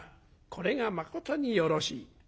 これがまことによろしい。